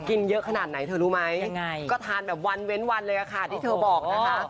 กินเยอะขนาดไหนเธอรู้ไหมก็ทานแบบวันเว้นวันเลยค่ะที่เธอบอกนะคะ